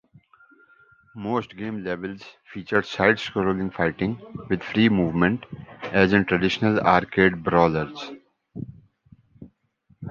Most game levels feature side-scrolling fighting, with free movement as in traditional arcade brawlers.